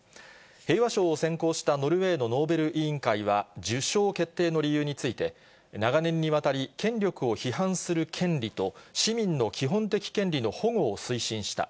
平和賞を選考したノルウェーのノーベル委員会は、受賞決定の理由について、長年にわたり、権力を批判する権利と、市民の基本的権利の保護を推進した。